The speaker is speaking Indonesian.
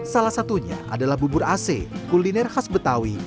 salah satunya adalah bubur ac kuliner khas betawi